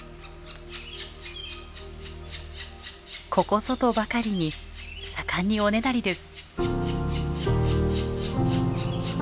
ここぞとばかりに盛んにおねだりです。